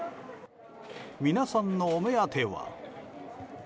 皆さんのお目当ては。